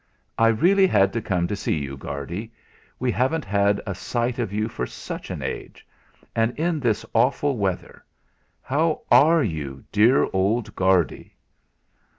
"I really had to come and see you, Guardy; we haven't had a sight of you for such an age. And in this awful weather! How are you, dear old Guardy?"